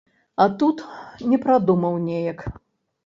А тут не прадумаў неяк.